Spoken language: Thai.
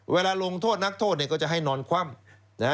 เวลาลงโทษนักโทษก็จะให้นอนคว่ำ